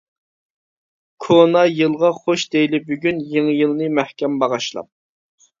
كونا يىلغا خوش دەيلى بۈگۈن، يېڭى يىلنى مەھكەم باغاشلاپ.